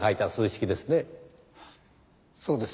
そうです。